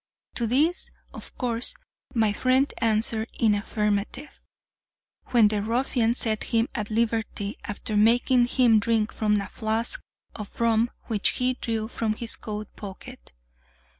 To this, of course, my friend answered in the affirmative, when the ruffian set him at liberty, after making him drink from a flask of rum which he drew from his coat pocket.